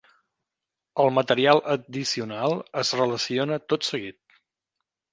El material addicional es relaciona tot seguit.